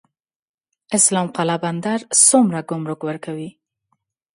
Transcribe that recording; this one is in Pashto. اسلام قلعه بندر څومره ګمرک ورکوي؟